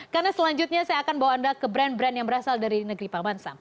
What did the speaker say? karena selanjutnya saya akan bawa anda ke brand brand yang berasal dari negeri panggansam